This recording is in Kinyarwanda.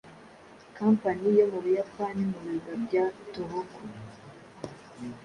Company yo mu Buyapani mu birwa bya Tohokhu,